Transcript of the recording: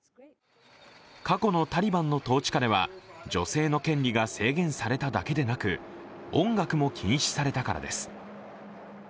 過去のタリバンの統治下では女性の権利が制限されただけでなく音楽も禁止されたからです。